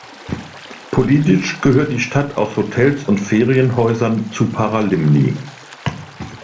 Politisch gehört die Stadt aus Hotels und Ferienhäusern zu Paralimni.